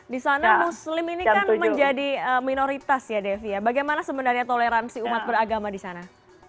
di sana muslim ini kan menjadi minoritas ya devi ya bagaimana sebenarnya toleransi umat beragama di sana